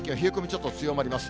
ちょっと強まります。